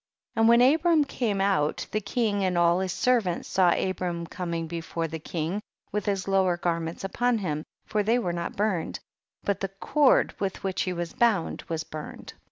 33. And when Abram came out the king and all his servants saw Abram coming before the king, with his lower garments upon him, for they were not burned, but the cord with which he was bound was burned.